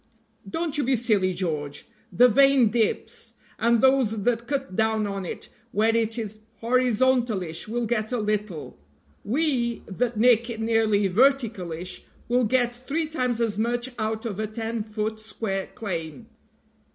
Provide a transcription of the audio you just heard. "Don't you be silly, George. The vein dips, and those that cut down on it where it is horizontalish will get a little; we, that nick it nearly verticalish, will get three times as much out of a ten foot square claim."